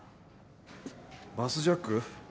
バスジャック？